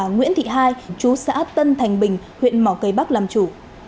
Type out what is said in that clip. nguyễn thị hai chú xã tân thành bình huyện mỏ cây bắc làm chủ